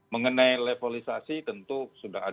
mengenai levelisasi tentu sudah ada